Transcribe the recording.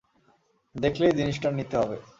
দেখলেই জিনিসটা নিতে হবে।